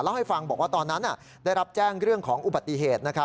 ให้ฟังบอกว่าตอนนั้นได้รับแจ้งเรื่องของอุบัติเหตุ